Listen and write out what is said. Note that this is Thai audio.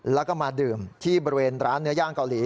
แล้วก็มาดื่มที่บริเวณร้านเนื้อย่างเกาหลี